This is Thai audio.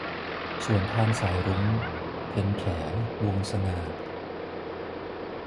สวนทางสายรุ้ง - เพ็ญแข วงศ์สง่า